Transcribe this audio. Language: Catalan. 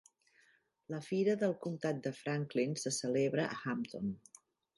La Fira del Comtat de Franklin se celebra a Hampton.